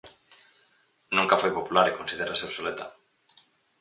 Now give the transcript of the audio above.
Nunca foi popular e considérase obsoleta.